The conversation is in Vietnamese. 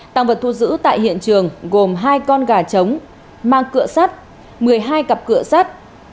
tàng vật thu giữ tại hiện trường gồm hai con gà chống mang cựa sắt một mươi hai cặp cựa sắt